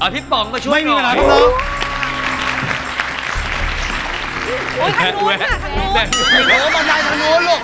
เอาพี่ป๋อมมาช่วยหน่อยไม่มีเหมือนกันครับครับครับ